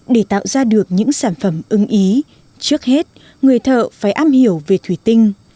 để tạo ra được những sản phẩm ưng ý trước hết người thợ phải am hiểu về thủy tinh